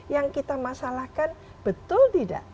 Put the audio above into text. yang kita masalahkan betul tidak